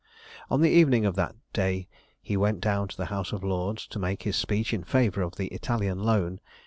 On the evening of that day he went down to the House of Lords, to make his speech in favour of the Italian Loan.